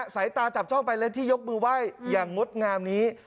สายตาจับจ้องไปและที่ยกมือไหว้อย่างงดงามนี้